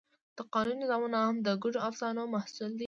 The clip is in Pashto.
د قانون نظامونه هم د ګډو افسانو محصول دي.